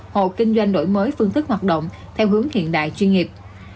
hộ kinh doanh đổi mới phương thức hoạt động theo hướng hiện đại chuyên nghiệp